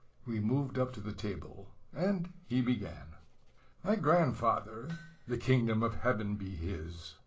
We moved up to the table, and he began. My grandfather (the kingdom of heaven be his!